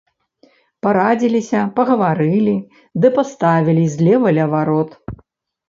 Парадзіліся, пагаварылі ды паставілі злева ля варот.